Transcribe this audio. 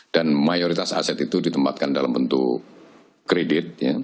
dan mayoritas aset itu ditempatkan dalam bentuk kredit